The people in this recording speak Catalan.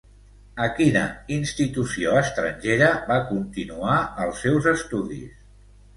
A quina institució estrangera va continuar els seus estudis?